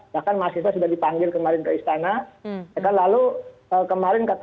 ya kan mahasiswa sudah dipanggil kemarin ke istana ya kan mahasiswa sudah dipanggil kemarin ke istana